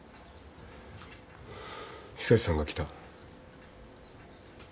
久志さんが来た。